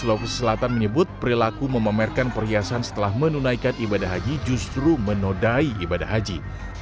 sulawesi selatan menyebut perilaku memamerkan perhiasan setelah menunaikan ibadah haji justru menodai ibadah haji